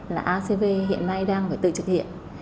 là acv hiện nay đang phải tự thực hiện